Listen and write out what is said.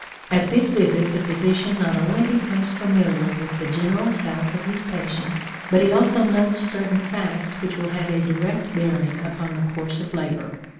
At this visit the physician not only becomes familiar with the general health of his patient, but he also notes certain facts which will have a direct bearing upon the course of labor.